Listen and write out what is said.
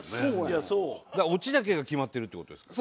だからオチだけが決まってるって事ですか？